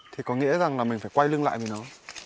thì có nghĩa rằng là mình phải quay lưng lại với nó